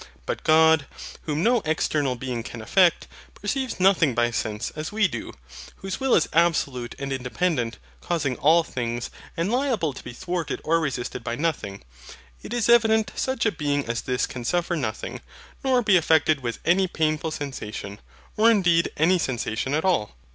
But God, whom no external being can affect, who perceives nothing by sense as we do; whose will is absolute and independent, causing all things, and liable to be thwarted or resisted by nothing: it is evident, such a Being as this can suffer nothing, nor be affected with any painful sensation, or indeed any sensation at all.